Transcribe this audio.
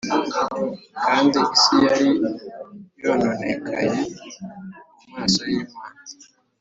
Kandi isi yari yononekaye mu maso y imana